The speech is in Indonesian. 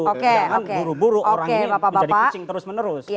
jangan buru buru orang ini menjadi kucing terus menerus